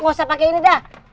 gak usah pakai ini dah